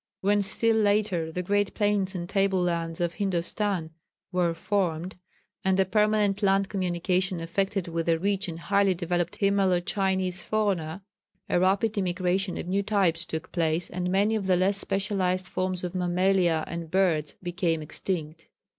When, still later, the great plains and tablelands of Hindostan were formed, and a permanent land communication effected with the rich and highly developed Himalo Chinese fauna, a rapid immigration of new types took place, and many of the less specialised forms of mammalia and birds became extinct.